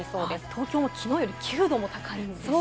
東京も昨日より９度も高いんですね。